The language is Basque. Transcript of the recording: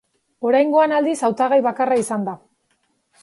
Oraingoan, aldiz, hautagai bakarra izan da.